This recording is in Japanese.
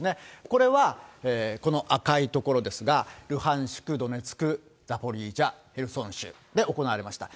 これはこの赤い所ですが、ルハンシク、ドネツク、ザポリージャ、ヘルソン州で行われました。